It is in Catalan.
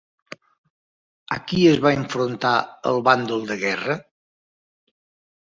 A qui es va enfrontar el bàndol de guerra?